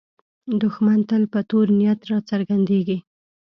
دښمن تل په تور نیت راڅرګندېږي